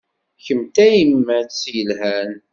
Kemm d tayemmat yelhan.